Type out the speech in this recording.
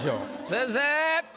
先生！